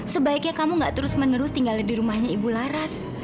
sebaiknya kamu gak terus menerus tinggal di rumahnya ibu laras